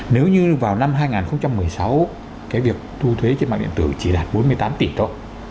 nếu như vào năm hai nghìn một mươi sáu cái việc thu thuế trên mạng điện tử chỉ đạt bốn mươi tám tỷ thôi